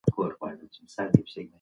تلپاتې او اباده وي.